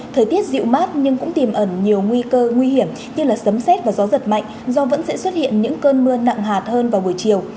thời tiết dịu mát nhưng cũng tìm ẩn nhiều nguy cơ nguy hiểm như sấm xét và gió giật mạnh do vẫn sẽ xuất hiện những cơn mưa nặng hạt hơn vào buổi chiều